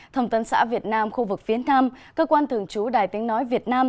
thông tân xã việt nam khu vực phía nam cơ quan thường trú đài tiếng nói việt nam